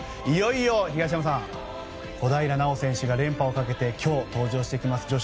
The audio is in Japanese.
いよいよ東山さん小平奈緒選手が連覇をかけて今日、登場してきます。